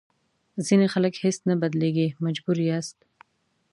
ځینې خلک هېڅ نه بدلېږي مجبور یاست.